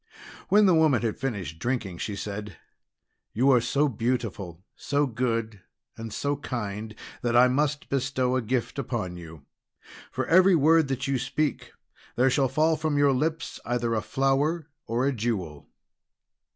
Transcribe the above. When the woman had finished drinking, she said: "You are so beautiful, so good, and so kind, that I must bestow a gift upon you. For every word that you speak, there shall fall from your lips either a flower or a jewel."